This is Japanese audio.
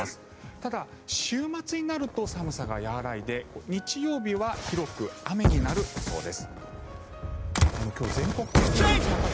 ただ、週末になると寒さが和らいで日曜日は広く雨になる予想です。